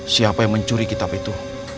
siapa yang mencuri kitab itu